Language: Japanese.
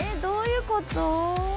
どういうこと！？